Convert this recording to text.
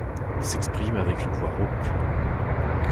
Il s'exprime avec une voix rauque.